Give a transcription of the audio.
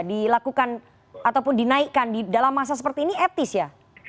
dilakukan ataupun dinaikkan di dalam masa seperti ini etis ya